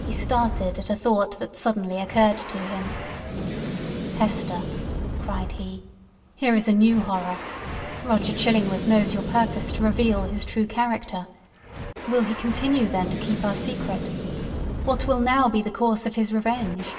He started at a thought that suddenly occurred to him. "Hester!" cried he, "here is a new horror! Roger Chillingworth knows your purpose to reveal his true character. Will he continue, then, to keep our secret? What will now be the course of his revenge?"